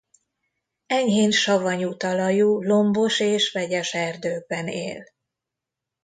Enyhén savanyú talajú lombos- és vegyes erdőkben él.